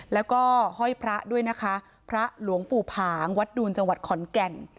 แล้วก็ห้อยพระด้วยนะคะพระหลวงปู่ผางวัดดูนจังหวัดขอนแก่น